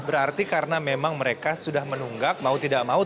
berarti karena memang mereka sudah menunggak mau tidak mau